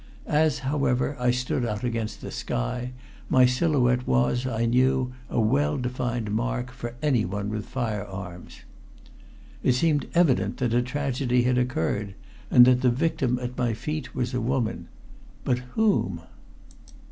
As, however, I stood out against the sky, my silhouette was, I knew, a well defined mark for anyone with fire arms. It seemed evident that a tragedy had occurred, and that the victim at my feet was a woman. But whom?